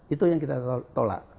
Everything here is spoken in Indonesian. itu yang kita tolak